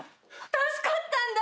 助かったんだ。